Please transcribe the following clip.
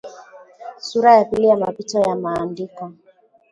Sura ya pili ya mapitio ya maandiko